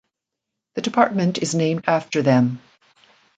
The department is named after them.